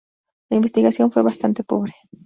La investigación fue bastante pobre.